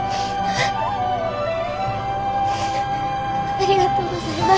ありがとうございます。